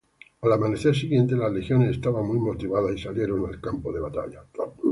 Al amanecer siguiente, las legiones estaban muy motivadas y salieron al campo de batalla.